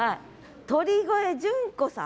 鳥越淳子さん。